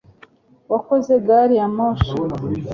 wakoze gari ya moshi